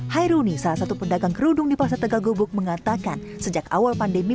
hai rony salah satu pedagang kerudung di pasar tegak gubuk mengatakan sejak awal pandemi